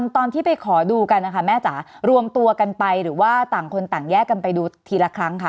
ตอนที่ไปขอดูกันนะคะแม่จ๋ารวมตัวกันไปหรือว่าต่างคนต่างแยกกันไปดูทีละครั้งค่ะ